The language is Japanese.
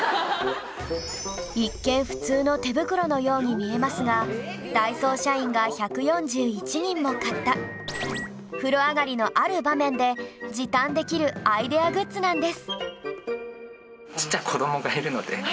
一見普通の手袋のように見えますがダイソー社員が１４１人も買った風呂上がりのある場面で時短できるアイデアグッズなんです